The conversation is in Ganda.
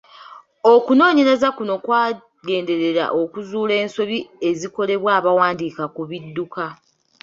Okunoonyereza kuno kwagenderera kuzuula nsobi ezikolebwa abawandiika ku bidduka.